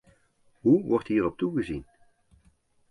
Hoe wordt hierop toegezien?